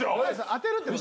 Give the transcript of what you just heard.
当てるってこと？